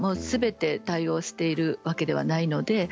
すべて対応しているわけではないので。